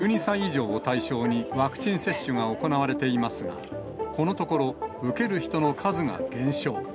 カリフォルニア州では、１２歳以上を対象にワクチン接種が行われていますが、このところ、受ける人の数が減少。